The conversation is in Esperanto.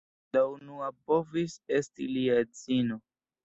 La unua povis esti lia edzino.